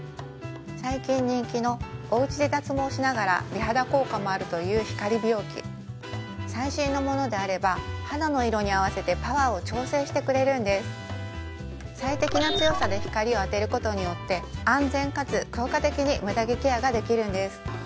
最近人気のおうちで脱毛しながら美肌効果もあるという光美容器最新のものであれば肌の色に合わせてパワーを調整してくれるんです最適な強さで光を当てることによって安全かつ効果的にムダ毛ケアができるんです